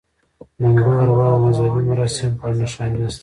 د مړو ارواوو او مذهبي مراسمو په اړه نښانې نشته.